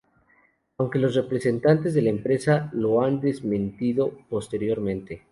Aunque los representantes de la empresa lo han desmentido posteriormente.